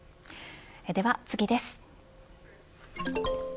では次です。